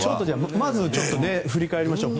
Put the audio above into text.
まず振り返りましょう。